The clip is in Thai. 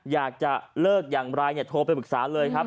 อยากจะเลิกอย่างไรโทรไปปรึกษาเลยครับ